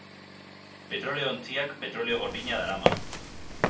Petrolio-ontziak petrolio gordina darama.